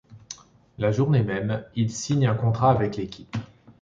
La journée même, il signe un contrat avec l’équipe.